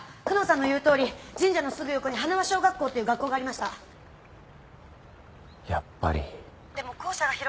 久能さんの言うとおり神社のすぐ横に花輪小学校っていう学校がありました。